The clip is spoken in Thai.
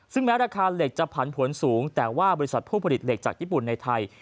ซึ่งแม้ราคาเหล็กจะผันผวนสูงแต่ว่าบริษัทผู้ผลิตเหล็กจากญี่ปุ่นในไทย